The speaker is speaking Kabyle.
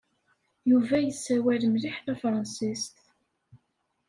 Yuba yessawal mliḥ tafṛensist.